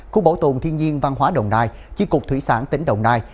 khu bảo tồn thiên nhiên văn hóa đồng nai chi cục thủy sản tỉnh đồng nai